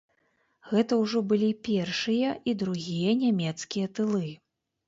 Гэта ўжо былі першыя і другія нямецкія тылы.